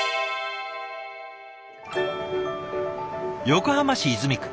横浜市泉区。